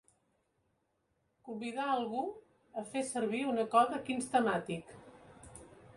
Convidar algú a fer servir una Kodak Instamatic.